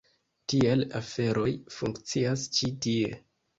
Tiel aferoj funkcias ĉi tie.